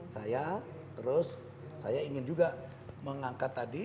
saya terus saya ingin juga mengangkat tadi